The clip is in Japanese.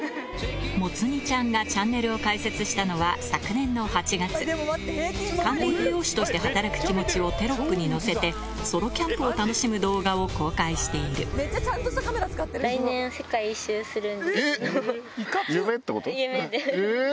もつ煮ちゃんがチャンネルを開設したのは昨年の８月管理栄養士として働く気持ちをテロップに乗せてソロキャンプを楽しむ動画を公開しているえっ！